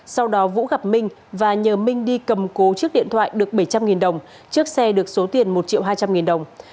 sau đó vũ gặp minh và nhờ minh đi cầm cố chiếc điện thoại được bảy trăm linh đồng chiếc xe được số tiền một triệu hai trăm linh nghìn đồng